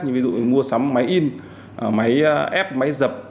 như ví dụ như mua sắm máy in máy ép máy dập